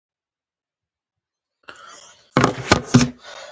هفتلان، يفتالان د اوسني پښتنو په ځانګړه توګه د ابدال قبيله پلرونه دي